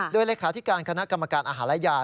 โดยเลขาธิการคณะกรรมการอาหารและยา